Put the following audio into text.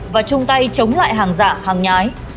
và chung tay chống lại hàng giả hàng nhái